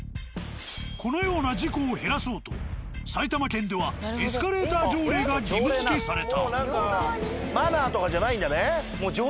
このような事故を減らそうと埼玉県ではエスカレーター条例が義務付けされた。